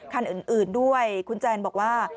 คันอื่นด้วยคุณแจนบอกว่า